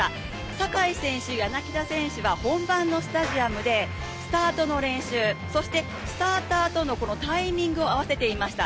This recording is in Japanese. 坂井選手、柳田選手は本番のスタジアムでスタートの練習、そしてスターターとのタイミングを合わせていました。